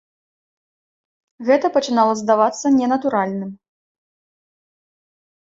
Гэта пачынала здавацца ненатуральным.